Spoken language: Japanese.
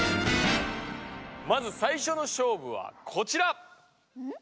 まずさいしょの勝負はこちら！